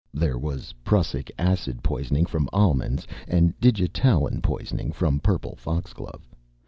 There was prussic acid poisoning from almonds and digitalin poisoning from purple foxglove.